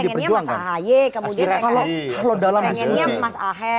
karena kan ini demokrat pengennya mas ahy kemudian mas aher